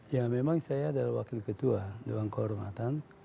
ya memang saya adalah wakil ketua dewan kehormatan